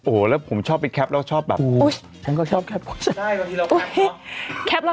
โอ้โฮแล้วผมชอบไปแคปแล้วก็ชอบแบบอุ๊ยฉันก็ชอบแคปพวกฉัน